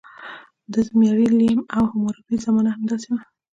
د زیمري لیم او حموربي زمانه همداسې وه.